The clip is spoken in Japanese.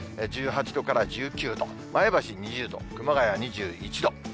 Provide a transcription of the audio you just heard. １８度から１９度、前橋２０度、熊谷は２１度。